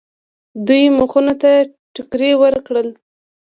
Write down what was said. دوی مخونو ته ټکرې ورکړل.